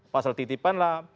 pasal titipan lah